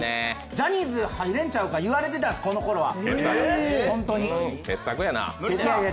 ジャニーズ入れんちゃうか言われてたんです、この頃は。